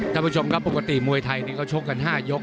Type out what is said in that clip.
ท่านผู้ชมครับปกติมวยไทยนี่เขาชกกัน๕ยก